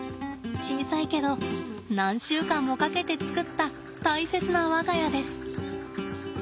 小さいけど何週間もかけて作った大切な我が家です。